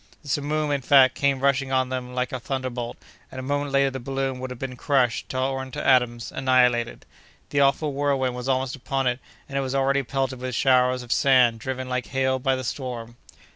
The simoom, in fact, came rushing on like a thunderbolt, and a moment later the balloon would have been crushed, torn to atoms, annihilated. The awful whirlwind was almost upon it, and it was already pelted with showers of sand driven like hail by the storm.